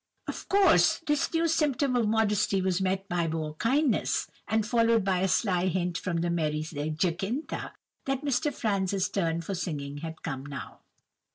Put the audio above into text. "Of course, this new symptom of modesty was met by more kindness, and followed by a sly hint from the merry Jacintha, that Mr. Franz's turn for singing had come now!